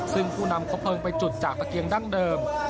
ซึ่งผู้นำครบเพลิงไปจุดจากตะเกียงดั้งเดิม